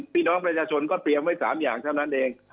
พี่น้องประชาชนก็เตรียมไว้๓อย่างเท่านั้นเอง